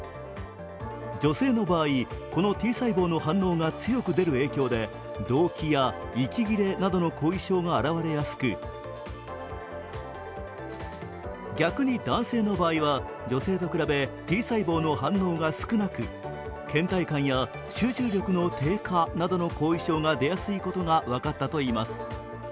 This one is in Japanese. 女性の場合、このＴ細胞の反応が強く出る影響でどうきや息切れなどの後遺症が現れやすく逆に男性の場合、Ｔ細胞の反応が少なくけん怠感や集中力の低下などの後遺症が出やすいことが分かったといいます。